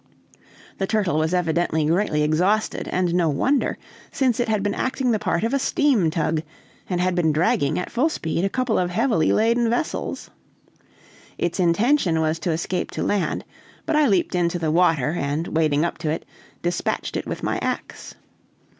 The turtle was evidently greatly exhausted, and no wonder, since it had been acting the part of a steam tug, and had been dragging, at full speed, a couple of heavily laden vessels. Its intention was to escape to land; but I leaped into the water, and wading up to it, dispatched it with my ax.